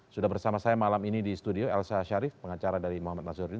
sudah bersama saya malam ini di studio elsa sharif pengacara dari muhammad nazarudin